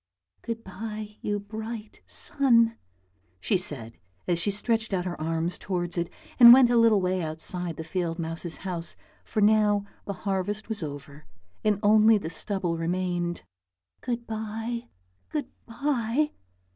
" Good bye, you bright sun," she said as she stretched out her arms towards it and went a little way outside the field mouse's house, for now the harvest was over and only the stubble remained. "Good bye, good bye!"